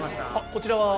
こちらは？